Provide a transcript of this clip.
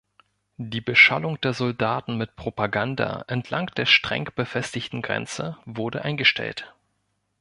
Die Beschallung der Soldaten mit Propaganda entlang der streng befestigten Grenze wurde eingestellt.